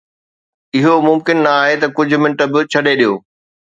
اهو ممڪن نه آهي ته ڪجهه منٽ به ڇڏي ڏيو.